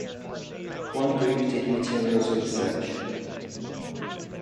One group did materials research.